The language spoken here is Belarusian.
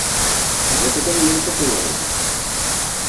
А гэтага нельга была рабіць.